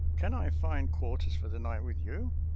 Can I find quarters for the night with you.?